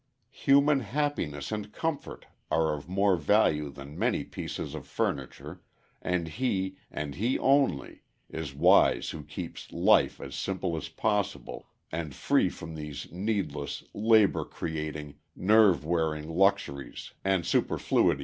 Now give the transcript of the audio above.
Human happiness and comfort are of more value than many pieces of furniture, and he, and he only, is wise who keeps life as simple as possible, and free from these needless, labor creating, nerve wearing luxuries and superfluities of life.